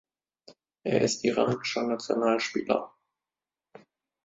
Er ist iranischer Nationalspieler.